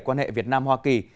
quan hệ việt nam hoa kỳ